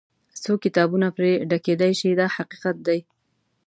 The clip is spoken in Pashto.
څو کتابونه پرې ډکېدای شي دا حقیقت دی.